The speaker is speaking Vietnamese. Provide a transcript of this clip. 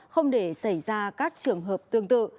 không để xảy ra các trường hợp tương tự